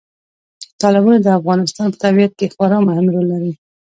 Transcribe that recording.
تالابونه د افغانستان په طبیعت کې خورا مهم رول لري.